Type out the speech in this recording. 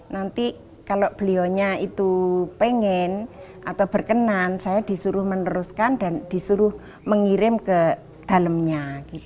nanti kalau beliaunya itu pengen atau berkenan saya disuruh meneruskan dan disuruh mengirim ke dalamnya